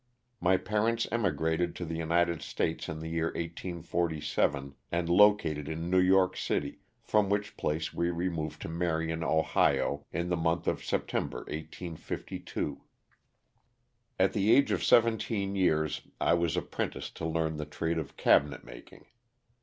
My parents emigrated to the United States in the year 1847, and located in New York city, from which place we removed to Marion, Ohio, in the month of September, 1852. At the age of seventeen years I was apprenticed to learn the trade of cabinet making.